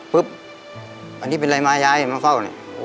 ปุ๊บอันนี้เป็นอะไรมายายมาเฝ้าเนี่ย